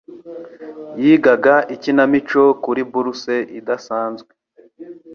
Yigaga ikinamico kuri bourse idasanzwe.